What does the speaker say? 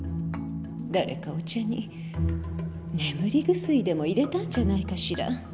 誰かお茶に眠り薬でも入れたんじゃないかしら。